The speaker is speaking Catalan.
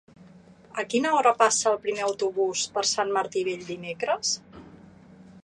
A quina hora passa el primer autobús per Sant Martí Vell dimecres?